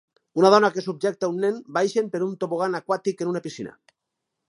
Una dona que subjecta un nen baixen per un tobogan aquàtic en un piscina.